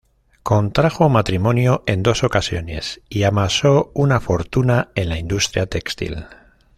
Contrajo matrimonio en dos ocasiones y amasó una fortuna en la industria textil.